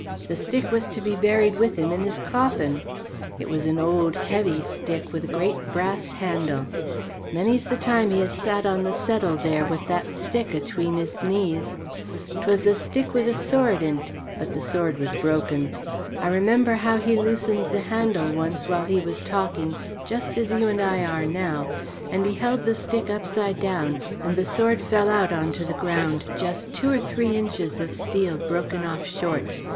The stick was to be buried with him in his coffin. It was an old heavy stick with a great brass handle. Many's the time he has sat on the settle there with that stick atween his knees. 'Twas a stick with a sword in't, but the sword was broken. I remember how he loosened the handle once while he was talking just as you and I are now, and he held the stick upside down and the sword fell out on to the ground, just two or three inches of steel broken off short.